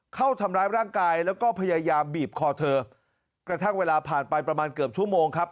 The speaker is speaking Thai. เข้าทำร้ายร่างกายแล้วก็พยายามบีบคอเธอกระทั่งเวลาผ่านไปประมาณเกือบชั่วโมงครับ